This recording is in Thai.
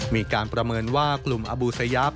มีการประเมินว่ากลุ่มอบูสยาป